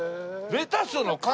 レタスの傘？